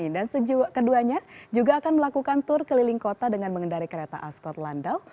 dan sejauh keduanya juga akan melakukan tur keliling kota dengan mengendari kereta ascot landau